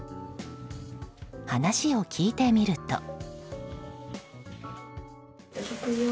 話を聞いてみると。